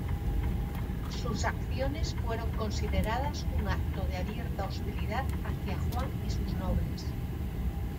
Sus acciones fueron consideradas un acto de abierta hostilidad hacia Juan y sus nobles.